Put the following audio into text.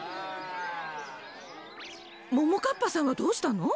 ももかっぱさんはどうしたの？